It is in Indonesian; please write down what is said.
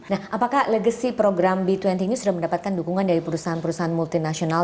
nah apakah legacy program b dua puluh ini sudah mendapatkan dukungan dari perusahaan perusahaan multinasional